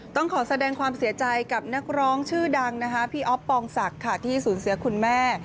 ต้องขอแสดงความเสียใจกับนักร้องชื่อดังนะคะพี่อ๊อฟปองศักดิ์ค่ะที่สูญเสียคุณแม่